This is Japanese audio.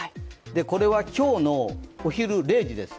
これは今日のお昼０時です。